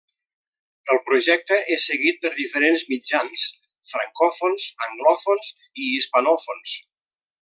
El projecte és seguit per diferents mitjans, francòfons, anglòfons i hispanòfons.